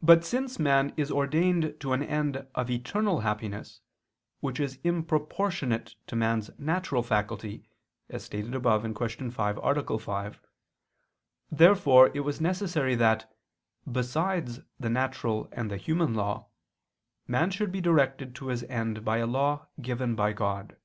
But since man is ordained to an end of eternal happiness which is improportionate to man's natural faculty, as stated above (Q. 5, A. 5), therefore it was necessary that, besides the natural and the human law, man should be directed to his end by a law given by God.